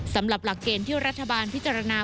สำหรับหลักเกณฑ์ที่รัฐบาลพิจารณา